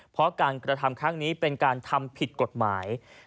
เพราะการกระทำครั้งนี้เป็นการทำผิดกฎหมาย